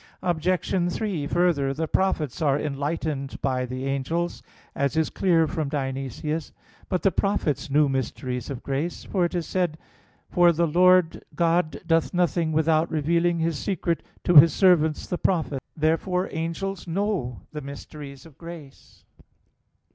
Obj. 3: Further, the prophets are enlightened by the angels, as is clear from Dionysius (Coel. Hier. iv). But the prophets knew mysteries of grace; for it is said (Amos 3:7): "For the Lord God doth nothing without revealing His secret to His servants the prophets." Therefore angels know the mysteries of grace.